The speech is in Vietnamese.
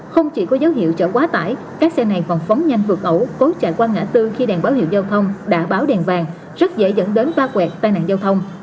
không chỉ có dấu hiệu chở quá tải các xe này còn phóng nhanh vượt ẩu cố chạy qua ngã tư khi đèn báo hiệu giao thông đã báo đèn vàng rất dễ dẫn đến ba quẹt tai nạn giao thông